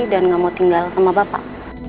dan gak mau tinggal sama bapak